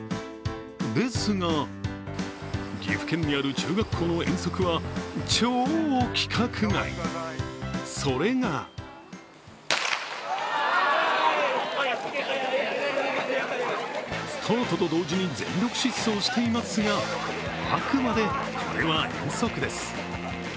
ですが岐阜県にある中学校の遠足は超規格外、それがスタートと同時に全力疾走していますが、あくまでこれは遠足です。